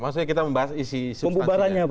maksudnya kita membahas isi substansinya